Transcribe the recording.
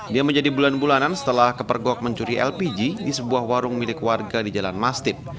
dia menjadi bulan bulanan setelah kepergok mencuri lpg di sebuah warung milik warga di jalan mastip